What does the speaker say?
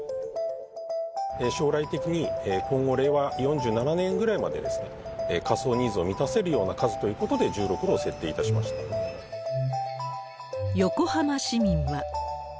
将来的に、今後、令和４７年ぐらいまで火葬ニーズを満たせるような数ということで、横浜市民は。